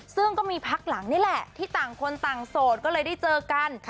ซึ่งก็มีพักหลังนี่แหละที่ต่างคนต่างโสดก็เลยได้เจอกัน